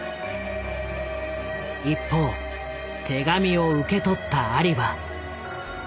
一方手紙を受け取ったアリは。